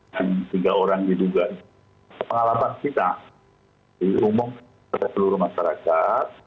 yang tiga orang diduga pengalaman kita diumumkan kepada seluruh masyarakat